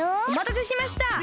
おまたせしました！